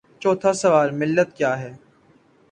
چوتھا سوال: ملت کیاہے؟